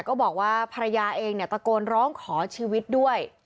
ก็บอกว่าภรรยาเองเนี่ยตะโกนร้องขอชีวิตด้วย